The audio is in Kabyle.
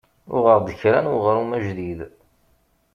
Uɣeɣ-d kra n weɣrum ajdid.